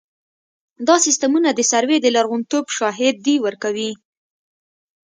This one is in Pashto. دا سیستمونه د سروې د لرغونتوب شاهدي ورکوي